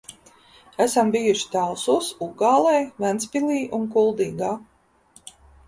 Esam bijuši Talsos, Ugālē, Ventspilī un Kuldīgā.